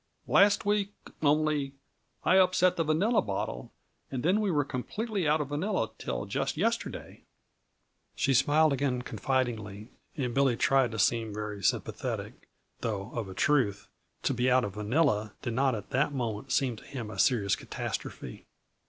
Last week, only, I upset the vanilla bottle, and then we were completely out of vanilla till just yesterday." She smiled again confidingly, and Billy tried to seem very sympathetic though of a truth, to be out of vanilla did not at that moment seem to him a serious catastrophe.